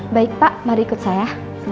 baik pak mari ikut saya